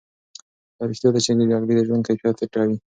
دا رښتیا ده چې جګړې د ژوند کیفیت ټیټوي.